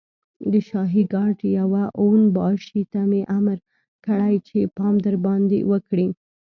د شاهي ګارډ يوه اون باشي ته مې امر کړی چې پام درباندې وکړي.